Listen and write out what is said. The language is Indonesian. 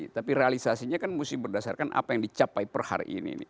tapi realisasinya kan mesti berdasarkan apa yang dicapai per hari ini